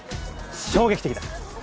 衝撃的だ！